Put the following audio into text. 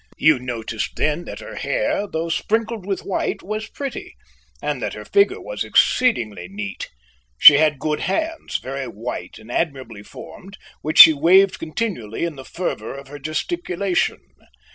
You noticed then that her hair, though sprinkled with white, was pretty, and that her figure was exceedingly neat. She had good hands, very white and admirably formed, which she waved continually in the fervour of her gesticulation.